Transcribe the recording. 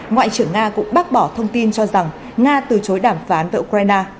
ngoại trưởng nga cũng bác bỏ thông tin cho rằng nga từ chối đàm phán tại ukraine